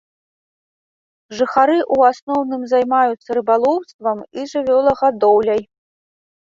Жыхары ў асноўным займаюцца рыбалоўствам і жывёлагадоўляй.